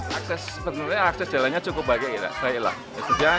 ya aksep penuhnya aksep jalannya cukup baik saya ilang